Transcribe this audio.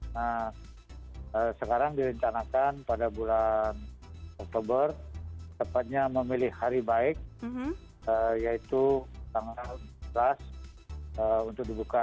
nah sekarang direncanakan pada bulan oktober tepatnya memilih hari baik yaitu tanggal sebelas untuk dibuka